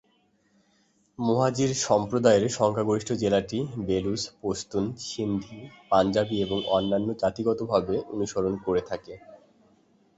মুহাজির সম্প্রদায়ের সংখ্যাগরিষ্ঠ জেলাটি বেলুচ, পশতুন, সিন্ধি, পাঞ্জাবী এবং অন্যান্য জাতিগতভাবে অনুসরণ করে থাকে।